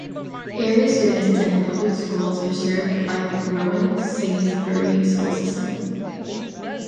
Area students attending public schools are served by the Rowan-Salisbury School System.